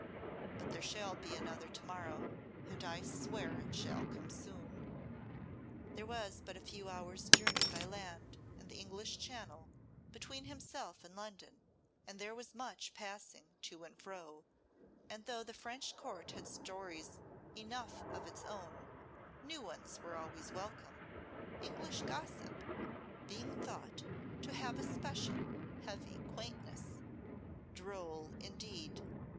But there shall be another to morrow, and I swear it shall come soon." There was but a few hours' journey by land, and the English Channel, between himself and London, and there was much passing to and fro; and though the French Court had stories enough of its own, new ones were always welcome, English gossip being thought to have a special heavy quaintness, droll indeed.